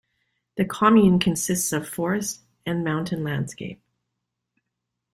The commune consists of forest and mountain landscape.